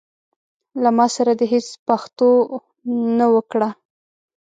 له ما سره دي هيڅ پښتو نه وکړه.